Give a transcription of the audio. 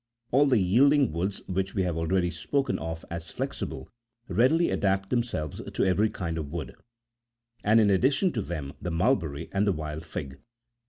All the yielding woods which we have already spoken48 of as flexible readily adapt themselves to every kind of work ; and in addition to them, the mulberry and the wild fig.